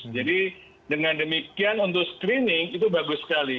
jadi dengan demikian untuk screening itu bagus sekali